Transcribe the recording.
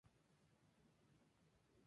Pero en general su carrera estaba acabada.